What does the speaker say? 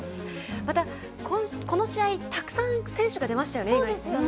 また、この試合、たくさん選手が出ましたよね。